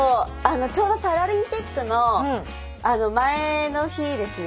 ちょうどパラリンピックの前の日ですね。